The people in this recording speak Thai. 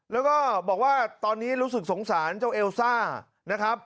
แล้วก็บอกว่าตอนนี้รู้สึกสงสารเจ้าเอลซ่านะครับ